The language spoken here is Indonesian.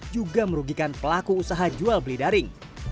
juga merugikan pelaku usaha jual beli daring